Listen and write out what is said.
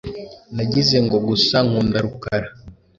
Nagize ngo gusa nkunda Rukara .